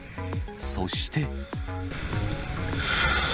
そして。